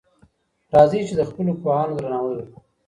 راځئ چی د خپلو پوهانو درناوی وکړو.